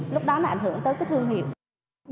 lúc đó nó ảnh hưởng tới cái thương hiệu